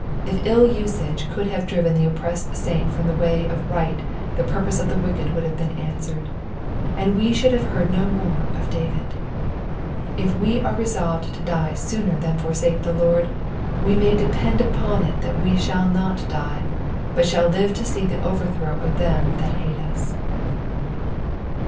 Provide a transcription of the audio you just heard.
If ill usage could have driven the oppressed saint from the way of right the purpose of the wicked would have been answered, and we should have heard no more of David. If we are resolved to die sooner than forsake the Lord, we may depend upon it that we shall not die, but shall live to see the overthrow of them that hate us.